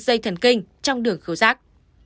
dây thần kinh trong đường khứu rác